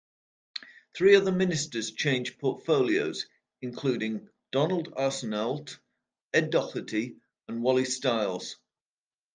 Three other ministers changed portfolios, including: Donald Arseneault, Ed Doherty and Wally Stiles.